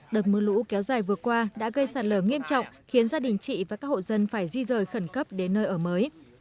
đợt mưa lũ kéo dài vừa qua đã gây sạt lở nghiêm trọng khiến gia đình chị và các hộ dân phải di rời khẩn cấp đến nơi ở mới